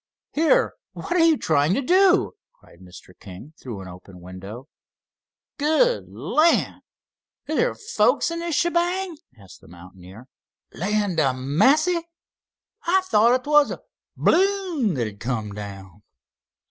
"Here! What are you trying to do?" cried Mr. King, through an open window. "Good land! Is there folks in this shebang!" asked the mountaineer. "Land a'massy! I thought it was a balloon that had come down."